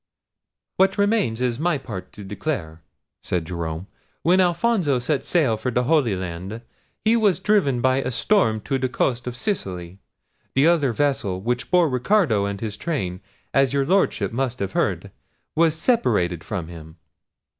"What remains is my part to declare," said Jerome. "When Alfonso set sail for the Holy Land he was driven by a storm to the coast of Sicily. The other vessel, which bore Ricardo and his train, as your Lordship must have heard, was separated from him."